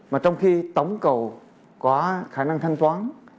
mà trong khi tổng cầu có khả năng thanh toán